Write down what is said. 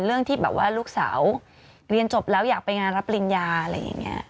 ที่แบบว่าลูกสาวเรียนจบแล้วอยากไปงานรับปริญญาอะไรอย่างนี้